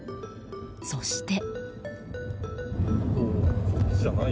そして。